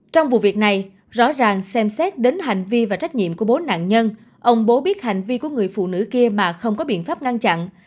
trong vụ việc này rõ ràng xem xét đến hành vi và trách nhiệm của bố nạn nhân ông bố biết hành vi của người phụ nữ kia mà không có biện pháp ngăn chặn